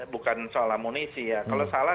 bukan soal amunisi ya kalau salah